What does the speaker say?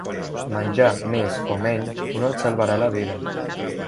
Menjar més o menys no et salvarà la vida.